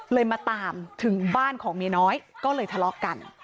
มาตามถึงบ้านของเมียน้อยก็เลยทะเลาะกัน